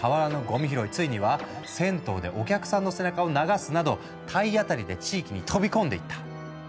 ついには銭湯でお客さんの背中を流すなど体当たりで地域に飛び込んでいった。